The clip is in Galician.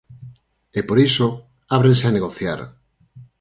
E por iso, ábrense a negociar.